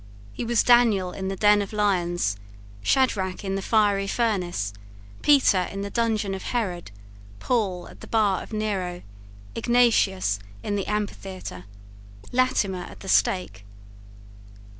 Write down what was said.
He was Daniel in the den of lions, Shadrach in the fiery furnace, Peter in the dungeon of Herod, Paul at the bar of Nero, Ignatius in the amphitheatre, Latimer at the stake.